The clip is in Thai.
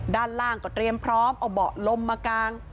ด้านล่างก็เตรียมพร้อมเอาเบาะลมมากาง